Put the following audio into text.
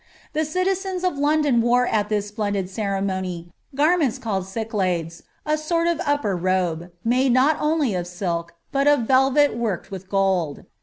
The citizens of London wore at this splendid ceremony garments called cyclades, a sort of upper robe, made not only of silk, but of velvet worked with gold.